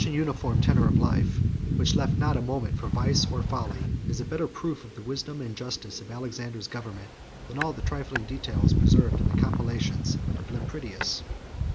] Such a uniform tenor of life, which left not a moment for vice or folly, is a better proof of the wisdom and justice of Alexander's government, than all the trifling details preserved in the compilation of Lampridius.